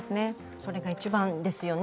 それが一番ですよね